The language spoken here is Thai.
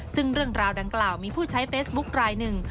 ซึ่งเรื่องราวดังกล่าวมีผู้ใช้เฟซบุ๊คลายหนึ่ง